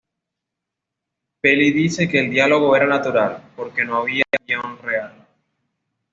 Peli dice que el diálogo era "natural" porque no había guión real.